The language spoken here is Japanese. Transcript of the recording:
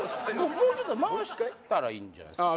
もうちょっと回したらいいんじゃないすか？